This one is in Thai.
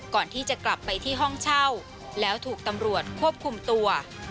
ก่อนที่จะกลับไปที่ห้องเช่าแล้วถูกตำรวจควบคุมตัว